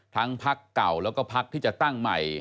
ทั้งภักดิ์เก่าแล้วก็ภักดิ์ที่จะตั้งใหม่